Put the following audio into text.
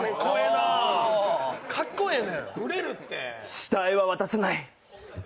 死体は渡さない。